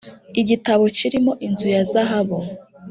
igitabo kirimo inzu ya zahabu